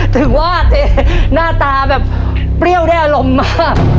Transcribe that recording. ถึงว่าแต่หน้าตาแบบเปรี้ยวได้อารมณ์มาก